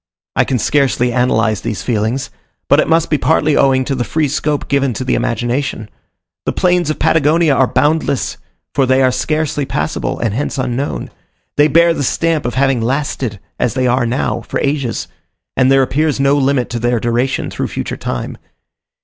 I can scarcely analyze these feelings: but it must be partly owing to the free scope given to the imagination. The plains of Patagonia are boundless, for they are scarcely passable, and hence unknown: they bear the stamp of having lasted, as they are now, for ages, and there appears no limit to their duration through future time.